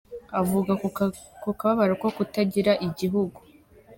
Avuga ku kababaro ko kutagira igihugu.